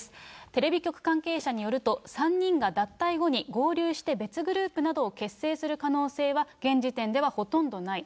テレビ局関係者によると、３人が脱退後に合流して別グループなどを結成する可能性は現時点ではほとんどない。